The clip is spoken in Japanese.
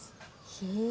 へえ。